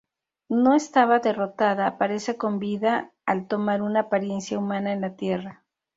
No estaba derrotada, aparece con vida al tomar una apariencia humana en la Tierra.